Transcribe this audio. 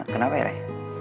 kenapa ya ray